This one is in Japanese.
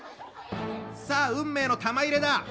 さあ運命の玉入れだ！